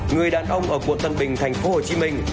người đàn ông ở quận tân bình thành phố hồ chí minh